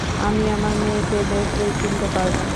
আমি আমার মেয়েকে দেখলেই চিনতে পারব।